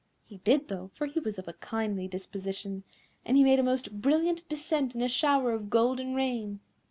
He did, though, for he was of a kindly disposition, and he made a most brilliant descent in a shower of golden rain.